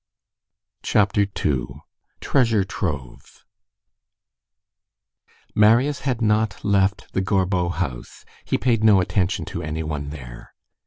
CHAPTER II—TREASURE TROVE Marius had not left the Gorbeau house. He paid no attention to any one there.